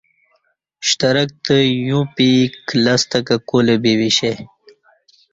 شترک تہ یوں پیک لستہ کہ کولہ بی ویشے